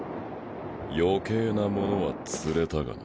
余計なものは釣れたがな。